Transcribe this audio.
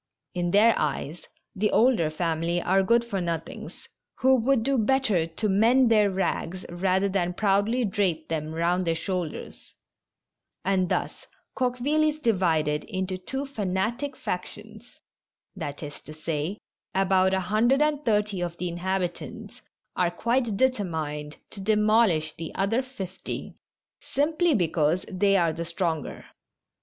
In their eyes the older family are good for nothings, who would do better to mend their rags rather than proudly drape them round their shoulders; and thus CoqUeville is divided into two fanatic factions — that is to say, about a hundred and thirty of the inhabitants are quite determined to demol ish the other fifty, simply because they are the stronger.